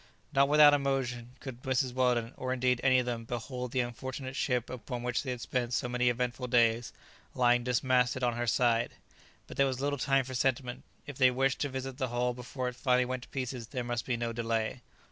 Not without emotion could Mrs. Weldon, or indeed any of them, behold the unfortunate ship upon which they had spent so many eventful days, lying dismasted on her side. But there was little time for sentiment. If they wished to visit the hull before it finally went to pieces there must be no delay.